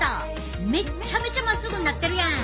めっちゃめちゃまっすぐになってるやん！